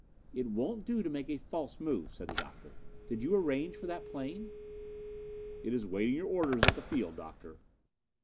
"It won't do to make a false move," said the Doctor. "Did you arrange for that plane?" "It is waiting your orders at the field, Doctor."